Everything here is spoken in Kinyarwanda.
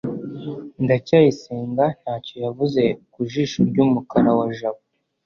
ndacyayisenga ntacyo yavuze ku jisho ry'umukara wa jabo